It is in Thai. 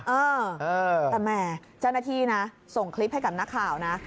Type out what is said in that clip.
เออแต่แหมเจ้าหน้าที่นะส่งคลิปให้กับนักข่าวนะ